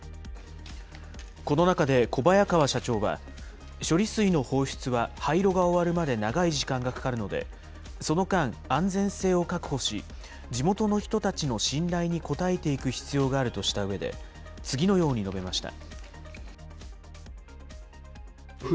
この中で小早川社長は、処理水の放出は廃炉が終わるまで長い時間がかかるので、その間、安全性を確保し、地元の人たちの信頼に応えていく必要があるとしたうえで、次のように述べました。